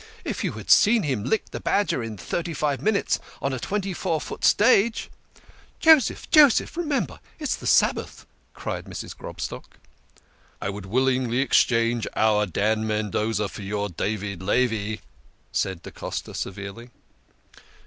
" If you had seen him lick the Badger in thirty five minutes on a twenty four foot stage " Joseph ! Joseph ! Remember it is the Sabbath !" cried Mrs. Grobstock. " I would willingly exchange our Dan Mendoza for your David Levi," said da Costa severely.